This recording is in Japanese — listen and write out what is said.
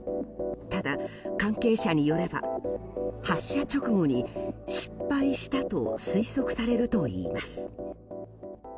ただ、関係者によれば発射直後に失敗したと推測されるといいます。